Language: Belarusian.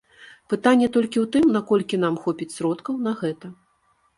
Пытанне толькі ў тым, наколькі нам хопіць сродкаў на гэта.